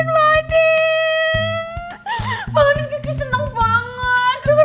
mading kiki seneng banget